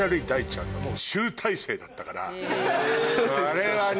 あれはね